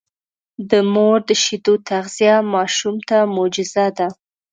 د مور د شیدو تغذیه ماشوم ته معجزه ده.